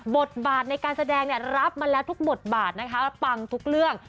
บทบาทในการแสดงเนี่ยรับมาแล้วทุกบทบาทนะคะปังทุกเรื่อง